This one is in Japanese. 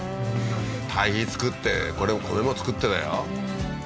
堆肥作ってこれも作ってだよ